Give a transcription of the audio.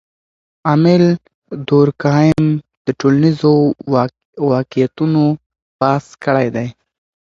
امیل دورکهایم د ټولنیزو واقعیتونو بحث کړی دی.